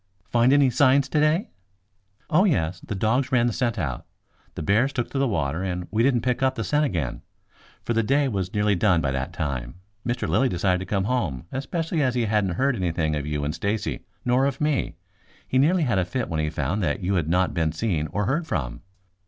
"Find any signs today?" "Oh, yes, the dogs ran the scent out. The bears took to the water, and we didn't pick up the scent again, for the day was nearly done by that time. Mr. Lilly decided to come home, especially as he hadn't heard anything of you and Stacy, nor of me. He nearly had a fit when he found that you had not been seen or heard from."